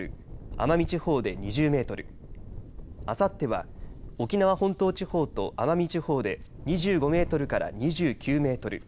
奄美地方で２０メートルあさっては沖縄本島地方と奄美地方で２５メートルから２９メートル